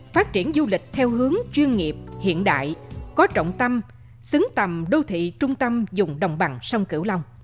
phát triển du lịch theo hướng chuyên nghiệp hiện đại có trọng tâm xứng tầm đô thị trung tâm dùng đồng bằng sông cửu long